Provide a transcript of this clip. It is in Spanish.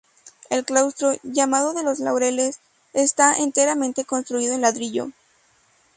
El claustro, llamado de Los Laureles, está enteramente construido en ladrillo.